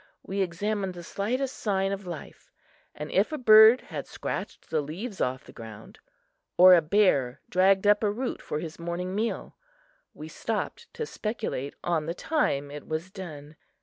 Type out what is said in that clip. We examined the slightest sign of life; and if a bird had scratched the leaves off the ground, or a bear dragged up a root for his morning meal, we stopped to speculate on the time it was done.